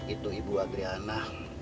itu ibu adriana